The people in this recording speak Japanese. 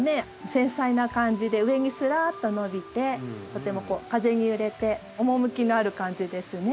繊細な感じで上にすらっと伸びてとても風に揺れておもむきのある感じですね。